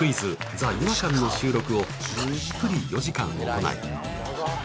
ＴＨＥ違和感の収録をたっぷり４時間行い